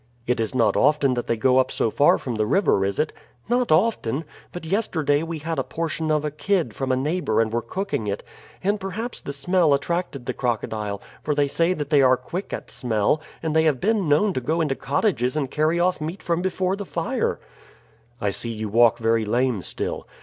"It is not often that they go up so far from the river, is it?" "Not often. But yesterday we had a portion of a kid from a neighbor and were cooking it, and perhaps the smell attracted the crocodile; for they say that they are quick at smell, and they have been known to go into cottages and carry off meat from before the fire." "I see you walk very lame still."